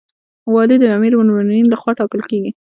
والی د امیرالمؤمنین لخوا ټاکل کیږي